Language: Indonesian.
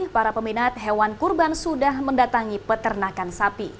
para peminat hewan kurban sudah mendatangi peternakan sapi